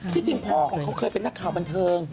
จริงพ่อของเขาเคยเป็นนักข่าวบันเทิง